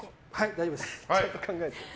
大丈夫です。